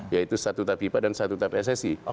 yaitu satu tapis ipa dan satu tapis ssi